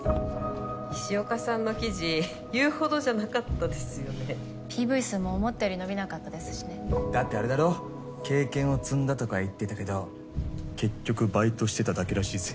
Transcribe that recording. ・石岡さんの記事言うほどじゃなかったで・ＰＶ数も思ったより伸びなかったですしだってあれだろ経験を積んだとか言ってたけど結局バイトしてただけらしいぜ。